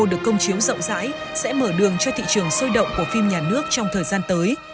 được công chiếu rộng rãi sẽ mở đường cho thị trường sôi động của phim nhà nước trong thời gian tới